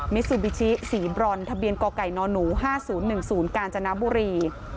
มิซูบิชิสีบรอนด์ทะเบียนกอไก่นอนูห้าศูนย์หนึ่งศูนย์กาญจนบุรี